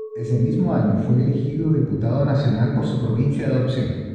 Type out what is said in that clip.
Ese mismo año fue elegido diputado nacional por su provincia de adopción.